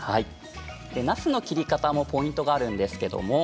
なすの切り方もポイントがあるんです。